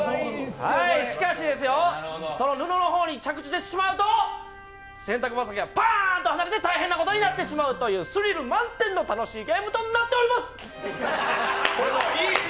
しかし、その布の方に着地してしまうと洗濯ばさみがバーンと離れてしまって大変なことになってしまうというスリル満点の楽しいゲームとなっております！